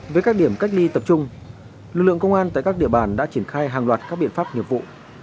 với các điểm cách ly tập trung lực lượng công an tại các địa bàn đã triển khai hàng loạt các biện pháp nghiệp vụ